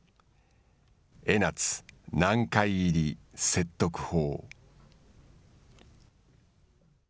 江夏、南海入り、説得法。